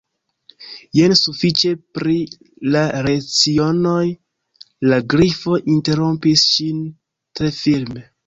"Jen sufiĉe pri la lecionoj," la Grifo interrompis ŝin tre firme.